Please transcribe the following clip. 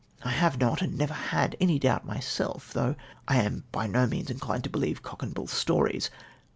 I have not, and never liad, any doubt myself, though I am by no means inclined to believe cock and bull stories.